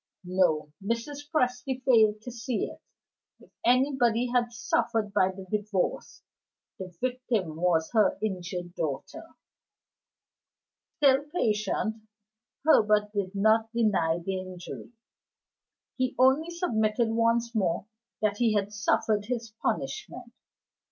(No: Mrs. Presty failed to see it; if anybody had suffered by the Divorce, the victim was her injured daughter.) Still patient, Herbert did not deny the injury; he only submitted once more that he had suffered his punishment.